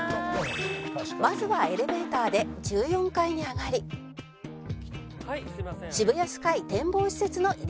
「まずはエレベーターで１４階に上がり渋谷スカイ展望施設の入り口へ」